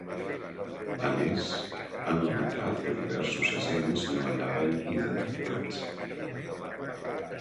A més, han lamentat que diversos agents no anaven identificats.